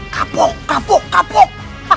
kapuk kapuk kapuk